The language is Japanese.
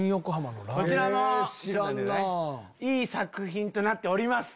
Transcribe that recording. こちらもいい作品となっております。